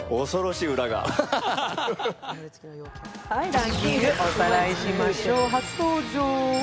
ランキングおさらいしましょう。